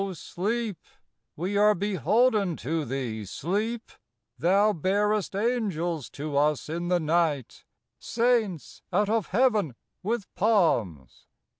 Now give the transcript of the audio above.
SLEEP, we are beholden to thee, sleep, Thou bearest angels to us in the night, Saints out of heaven with palms.